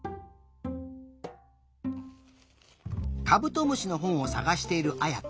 カブトムシのほんをさがしているあやと。